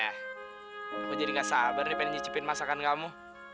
aku jadi gak sabar deh pengen nyicipin masakan kamu